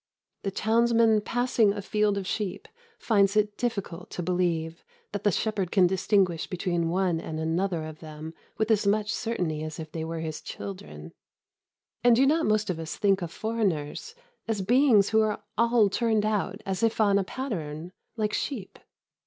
The townsman passing a field of sheep finds it difficult to believe that the shepherd can distinguish between one and another of them with as much certainty as if they were his children. And do not most of us think of foreigners as beings who are all turned out as if on a pattern, like sheep?